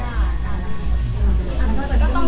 กล้ารับเพิ่ม